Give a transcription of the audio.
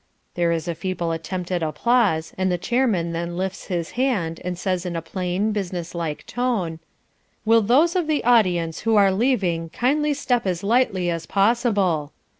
There is a feeble attempt at applause and the chairman then lifts his hand and says in a plain business like tone "Will those of the audience who are leaving kindly step as lightly as possible."